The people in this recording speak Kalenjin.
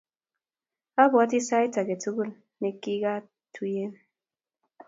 Abwoti sait ake tukul ne kikituyen.